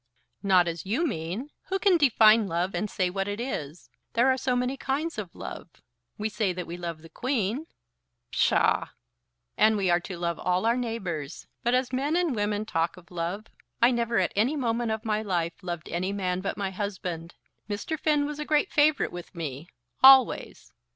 "Not as you mean. Who can define love, and say what it is? There are so many kinds of love. We say that we love the Queen." "Psha!" "And we are to love all our neighbours. But as men and women talk of love, I never at any moment of my life loved any man but my husband. Mr. Finn was a great favourite with me, always."